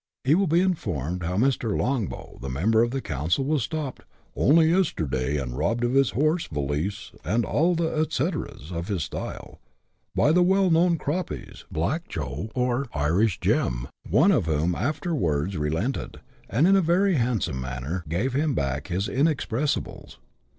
He will be informed how Mr. Longbow, the member of council, m as stopped " only yesterday, and robbed of his horse, valise, and ' all the et ceteras * of his style," by the well known " croppies "—" Black Joe" or " Irish Jem," one of whom afterwards relented, and in a very handsome manner gave him back his inexpressibles.